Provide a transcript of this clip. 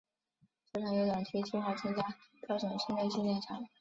球场有短期计划增加标准室内训练场。